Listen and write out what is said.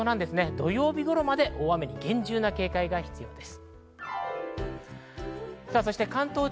土曜日頃まで大雨に厳重な警戒が必要です。